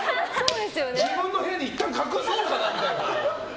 自分の部屋にいったん隠そうかなみたいな。